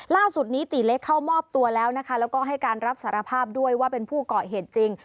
ล่าสุดนี้ตีเล็กเข้ามอบตัวแล้วนะคะแล้วก็ให้การรับสารภาพด้วยว่าเป็นผู้ก่อเหตุจริง